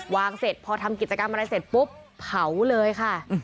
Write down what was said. เสร็จพอทำกิจกรรมอะไรเสร็จปุ๊บเผาเลยค่ะ